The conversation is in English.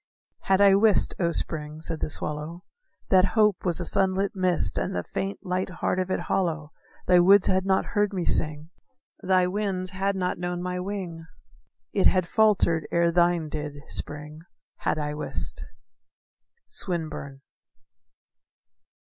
"Had I wist, O Spring," said the swallow, "That hope was a sunlit mist, And the faint, light heart of it hollow, Thy woods had not heard me sing; Thy winds had not known my wing; It had faltered ere thine did, Spring, Had I wist." _Swinburne.